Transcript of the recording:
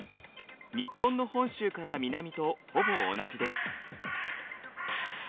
日本の本州から南とほぼ同じです。